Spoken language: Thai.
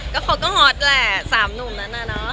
ก็เขาก็ฮอตแหละ๓หนุ่มนั้นน่ะเนอะ